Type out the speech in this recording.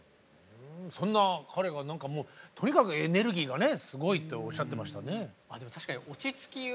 そんな彼がとにかくエネルギーがねすごいっておっしゃってましたね。